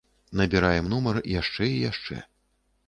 Набіраем нумар яшчэ і яшчэ.